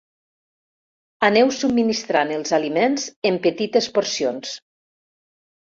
Aneu subministrant els aliments en petites porcions.